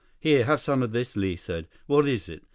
"Here, have some of this," Li said. "What is it?"